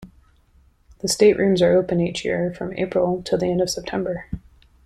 The State Rooms are open each year from April till the end of September.